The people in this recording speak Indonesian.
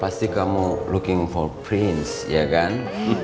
pasti kamu looking for prince ya kan